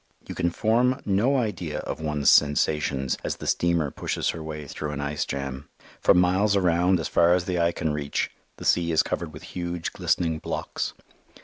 You can form no idea of one's sensations as the steamer pushes her way through an ice jam. For miles around, as far as the eye can reach, the sea is covered with huge, glistening blocks.